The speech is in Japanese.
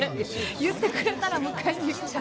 言ってくれたら迎えに行くからみたいな。